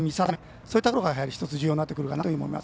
そういったところが重要になってくると思います。